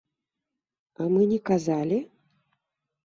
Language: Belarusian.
А мы не казалі?!